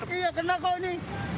iya kena kok ini